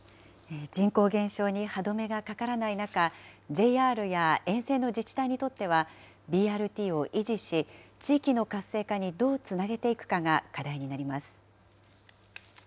人口減少に歯止めがかからない中、ＪＲや沿線の自治体にとってはＢＲＴを維持し、地域の活性化にどうつなげていくかが課題になります。